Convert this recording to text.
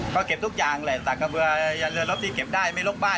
เผาเก็บทุกอย่างค่ะแต่สากเผื่อรถที่เก็บได้ไม่ลดบ้าน